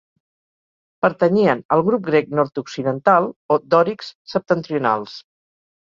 Pertanyien al grup grec nord-occidental o dòrics septentrionals.